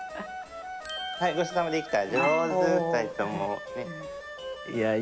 はいごちそうさまできた。